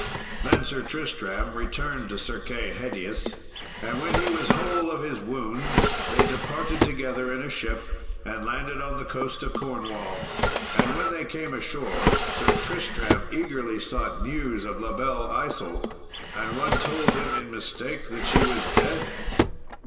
Then Sir Tristram returned to Sir Kay Hedius, and when he was whole of his wounds, they departed together in a ship, and landed on the coast of Cornwall. And when they came ashore, Sir Tristram eagerly sought news of La Belle Isault. And one told him in mistake that she was dead.